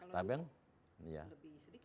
kalau yang lebih sedikit